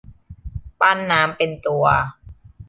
ปั้นน้ำเป็นตัว